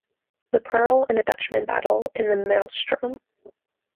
The "Pearl" and the "Dutchman" battle in the maelstrom.